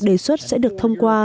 đề xuất sẽ được thông qua